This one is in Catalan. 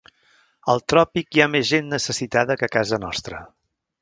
Al tròpic hi ha més gent necessitada que a casa nostra.